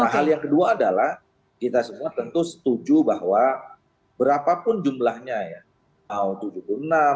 nah hal yang kedua adalah kita semua tentu setuju bahwa berapapun jumlahnya ya